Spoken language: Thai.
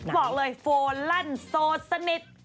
บอกเลยโฟลั่นโสดสนิท